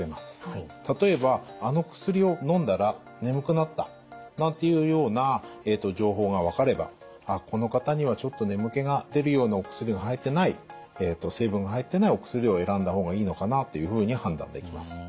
例えば「あの薬をのんだら眠くなった」なんていうような情報が分かれば「この方にはちょっと眠気が出るようなお薬が入ってない成分が入ってないお薬を選んだ方がいいのかな」というふうに判断できます。